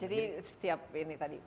jadi setiap ini tadi